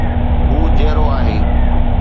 هو جيئرو آهي